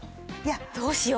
どうしよう。